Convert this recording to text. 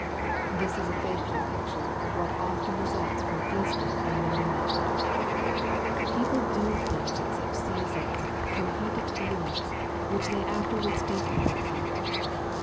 This is a faithful picture of what often results from feasting and merry making. People do things at such seasons, from heated feelings, which they afterwards deeply repent.